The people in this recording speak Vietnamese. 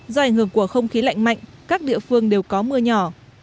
do ảnh hưởng của không khí lạnh mạnh các địa phương đều có mưa nhỏ